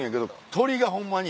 鳥がホンマに。